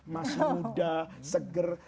masih muda seger